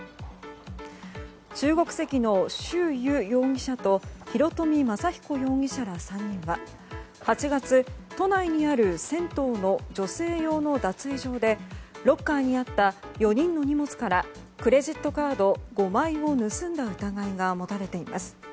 中国籍のシュウ・ユ容疑者と広冨雅彦容疑者ら３人は８月、都内にある銭湯の女性用の脱衣場でロッカーにあった４人の荷物からクレジットカード５枚を盗んだ疑いが持たれています。